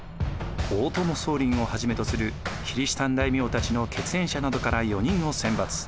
大友宗麟をはじめとするキリシタン大名たちの血縁者などから４人を選抜。